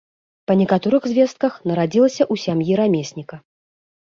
Па некаторых звестках, нарадзілася ў сям'і рамесніка.